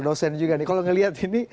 dosen juga nih kalau ngelihat ini